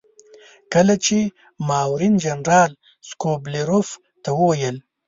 کله چې ماروین جنرال سکوبیلروف ته وویل.